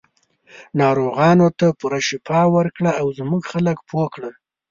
ناروغانو ته پوره شفا ورکړه او زموږ خلک پوه کړه.